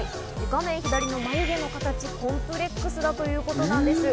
画面左の眉毛の形、コンプレックスだということです。